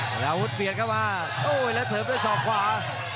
ฆาตาวุฒิเปลี่ยนเข้ามาโอ้โหแล้วเติมด้วยส่องขวา